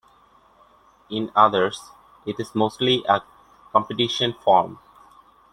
In others, it is mostly a competition form.